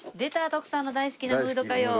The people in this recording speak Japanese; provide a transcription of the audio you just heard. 徳さんの大好きなムード歌謡。